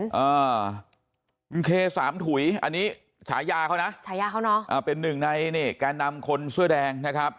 คุณเคสามถุ๋ยอันนี้ฉายาเขานะเป็นหนึ่งในการนำคนเสื้อแดงนะครับ